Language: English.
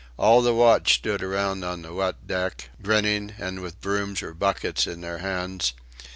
All the watch stood around on the wet deck, grinning, and with brooms or buckets in their hands.